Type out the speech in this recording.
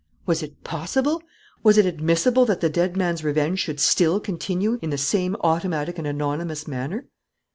Was it possible? Was it admissible that the dead man's revenge should still continue in the same automatic and anonymous manner?